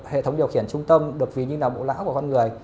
hệ thống điều khiển trung tâm được ví như là bộ lão của con người